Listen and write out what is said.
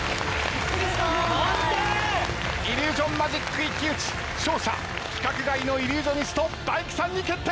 イリュージョンマジック一騎打ち勝者規格外のイリュージョニストＤＡＩＫＩさんに決定！